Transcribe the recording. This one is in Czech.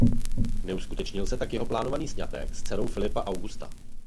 Neuskutečnil se tak jeho plánovaný sňatek s dcerou Filipa Augusta.